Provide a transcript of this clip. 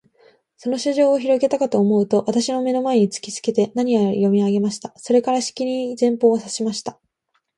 その書状をひろげたかとおもうと、私の眼の前に突きつけて、何やら読み上げました。それから、しきりに前方を指さしました。